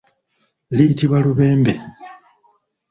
Luyitibwa lubembe.